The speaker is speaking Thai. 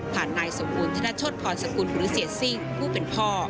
ผ่านนายสมบูรณ์ธนชฌฎภรรณสกุลหรือเสียสิ่งผู้เป็นพ่อ